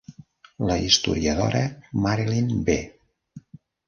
La historiadora Marilyn B.